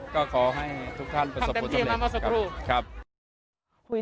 ก็ขอให้ทุกท่านประสบความเต็มที่ให้มาประสบความสมบูรณ์